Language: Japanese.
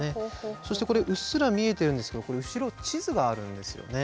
そしてこれうっすら見えているんですけどこれ後ろ地図があるんですよね。